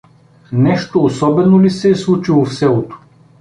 — Нещо особено ли се е случило в селото?